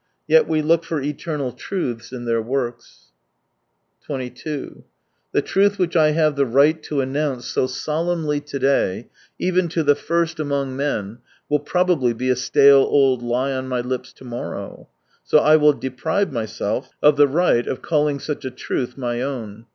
Yet we look for eternal truths in their works. 22 The truth which I have the right tp announce so solemnly to day, even to the first among men, will probably be a stale old lie on my lips to morrow. So I will deprive myself of the right of calling such a truth my own.